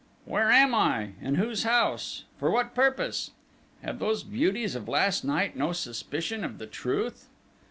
"Where am I?... In whose house?... For what purpose?... Have those beauties of last night no suspicion of the truth?...